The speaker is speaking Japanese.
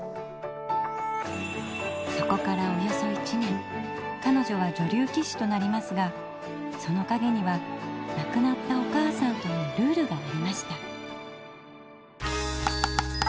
そこからおよそ１年かのじょは女流棋士となりますがそのかげにはなくなったお母さんとのルールがありました。